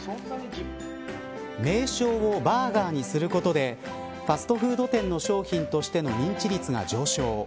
名称をバーガーにすることでファストフード店の商品としての認知率が上昇。